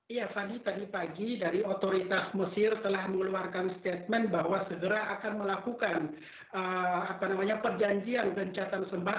iya fani tadi pagi dari otoritas mesir telah mengeluarkan statement bahwa segera akan melakukan perjanjian gencatan sembah